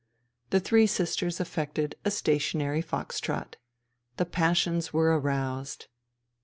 The three sisters affected a stationary fox trot. The passions were aroused.